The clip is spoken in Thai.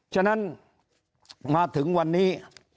ฉะนั้นมาถึงวันนี้